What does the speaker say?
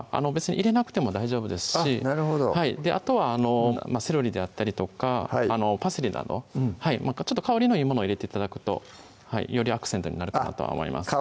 なるほどあとはセロリであったりとかパセリなどちょっと香りのいいものを入れて頂くとよりアクセントになるかなとは思います